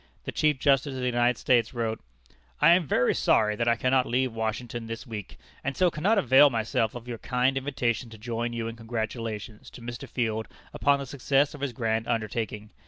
The Chief Justice of the United States wrote: "I am very sorry that I cannot leave Washington this week, and so cannot avail myself of your kind invitation to join you in congratulations to Mr. Field upon the success of his grand undertaking.